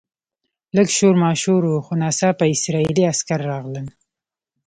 لږ شور ماشور و خو ناڅاپه اسرایلي عسکر راغلل.